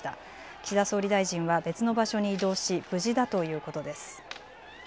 岸田総理大臣は別の場所に移動し無事だということです。